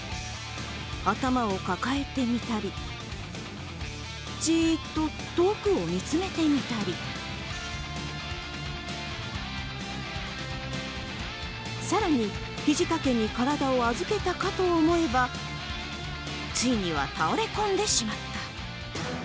頭を抱えてみたり、じっと遠くを見つめてみたり更に肘掛けに体を預けたかと思えば、ついには倒れ込んでしまった。